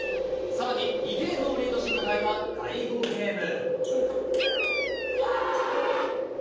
さらに２ゲームをリードし迎えた第５ゲーム。